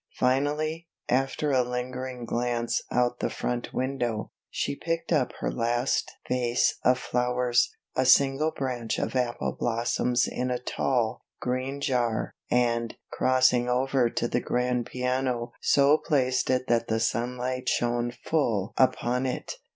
Finally, after a lingering glance out the front window, she picked up her last vase of flowers, a single branch of apple blossoms in a tall, green jar, and, crossing over to the grand piano so placed it that the sunlight shone full upon it.